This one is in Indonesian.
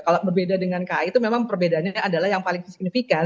kalau berbeda dengan kai itu memang perbedaannya adalah yang paling signifikan